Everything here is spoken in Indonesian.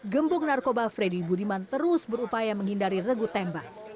gembong narkoba freddy budiman terus berupaya menghindari regu tembak